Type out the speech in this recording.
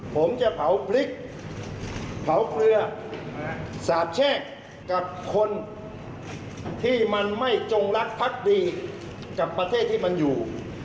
ผมจะเผาพริกเผาเกลือสาบแช่งกับคนที่มันไม่จงรักพักดีกับประเทศที่มันอยู่